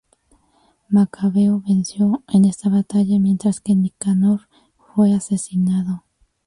Macabeo venció en esta batalla, mientras que Nicanor fue asesinado.